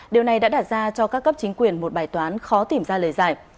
điều này đã đặt ra cho các cấp chính quyền một bài toán khó tìm ra lời giải